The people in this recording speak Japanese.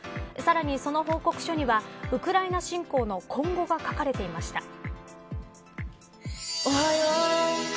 さらにその報告書にはウクライナ侵攻の今後が書かれていました。